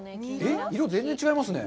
色が全然違いますね。